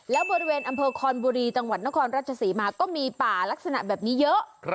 แล้วบริเวณอำเภอคอนบุรีจังหวัดนครราชศรีมาก็มีป่าลักษณะแบบนี้เยอะ